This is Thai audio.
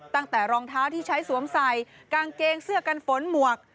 รองเท้าที่ใช้สวมใส่กางเกงเสื้อกันฝนหมวก